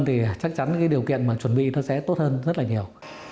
thì chắc chắn cái điều kiện mà chuẩn bị nó sẽ tốt hơn rất là nhiều